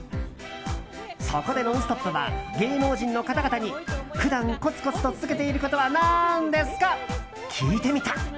そこで「ノンストップ！」は芸能人の方々に普段、コツコツと続けていることは何ですか？と聞いてみた。